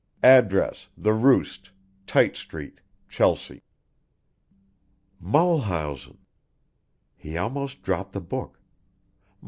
Address The Roost, Tite Street, Chelsea." Mulhausen! He almost dropped the book.